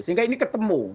sehingga ini ketemu